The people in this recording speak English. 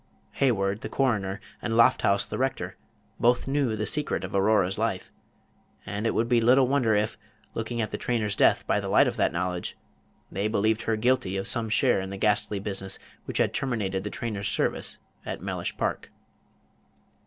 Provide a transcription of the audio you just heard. Hayward, the coroner, and Lofthouse, the rector, both knew the secret of Aurora's life; and it would be little wonder if, looking at the trainer's death by the light of that knowledge, they believed her guilty of some share in the ghastly business which had terminated the trainer's service at Mellish Park.